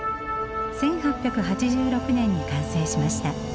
１８８６年に完成しました。